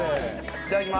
いただきます。